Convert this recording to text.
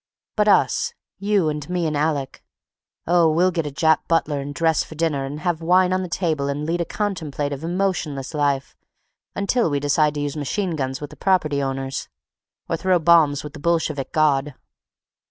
But us—you and me and Alec—oh, we'll get a Jap butler and dress for dinner and have wine on the table and lead a contemplative, emotionless life until we decide to use machine guns with the property owners—or throw bombs with the Bolshevik God!